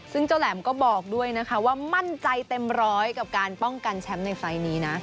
ซึ่งเจ้าแหลมก็บอกด้วยนะคะว่ามั่นใจเต็มร้อยกับการป้องกันแชมป์ในไฟล์นี้นะ